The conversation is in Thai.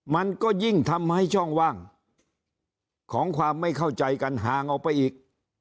มันก็ยิ่งทำให้ช่องว่างของความไม่เข้าใจกันห่างออกไปอีก